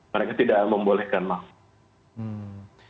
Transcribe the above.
mereka tidak membolehkan masuk